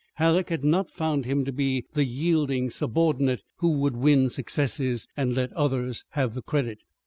Halleck had not found him to be the yielding subordinate who would win successes and let others have the credit.